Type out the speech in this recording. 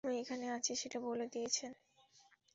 আমি এখানে আছি সেটা বলে দিয়েছেন?